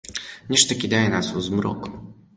Нешта кідае нас у змрок.